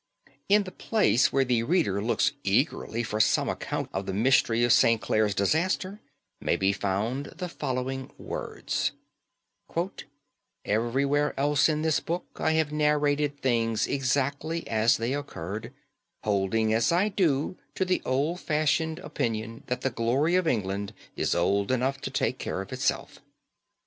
In the place where the reader looks eagerly for some account of the mystery of St. Clare's disaster may be found the following words: 'Everywhere else in this book I have narrated things exactly as they occurred, holding as I do the old fashioned opinion that the glory of England is old enough to take care of itself.